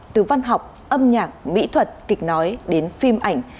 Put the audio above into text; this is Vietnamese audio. từ văn học âm nhạc mỹ thuật kịch nói đến phim ảnh